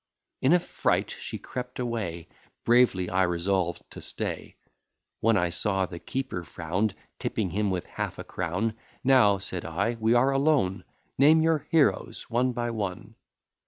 In a fright she crept away, Bravely I resolved to stay. When I saw the keeper frown, Tipping him with half a crown, Now, said I, we are alone, Name your heroes one by one.